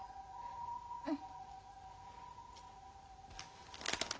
うん。